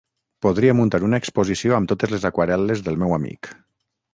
Podria muntar una exposició amb totes les aquarel·les del meu amic!